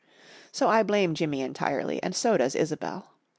So I blame Jimmy entirely, and so does Isobel.